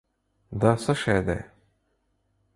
دا څه شی دی؟